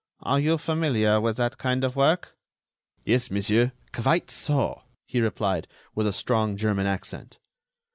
Are you familiar with that kind of work?" "Yes, monsieur, quite so," he replied, with a strong German accent.